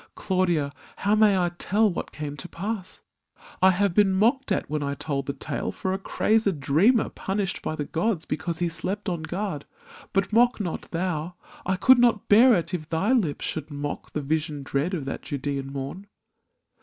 Claudia, how may I tell what came to pass ? I have been mocked at when I told the tale For a crazed dreamer punished by the gods Because he slept on guard ; but mock not thou! I could not bear it if thy lips should mock The vision dread of that Judean morn.